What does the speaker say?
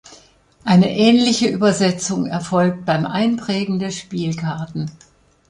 Eine ähnliche „Übersetzung“ erfolgt beim Einprägen der Spielkarten.